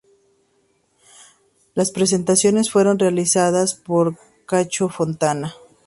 Las presentaciones fueron realizadas por Cacho Fontana.